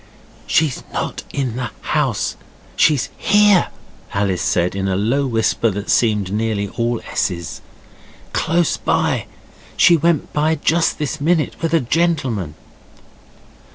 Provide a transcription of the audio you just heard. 'She's not in the house; she's HERE,' Alice said in a low whisper that seemed nearly all S's. 'Close by she went by just this minute with a gentleman.